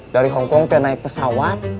dari hongkong saya naik pesawat